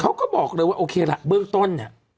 เขาก็บอกเลยว่าโอเคละเบื้องต้นเนี่ย